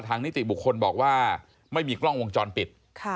นิติบุคคลบอกว่าไม่มีกล้องวงจรปิด